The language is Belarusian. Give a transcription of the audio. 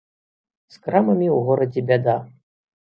З крамамі ў горадзе бяда.